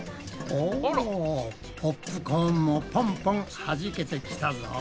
おポップコーンもポンポンはじけてきたぞ。